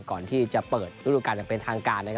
ก่อนที่จะเปิดรายการเป็นทางการ